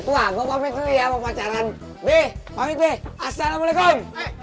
itu aku mau ya mau pacaran bkw assalamualaikum